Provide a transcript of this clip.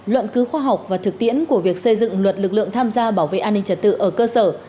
luận cứu khoa học và thực tiễn của việc xây dựng luật lực lượng tham gia bảo vệ an ninh trật tự ở cơ sở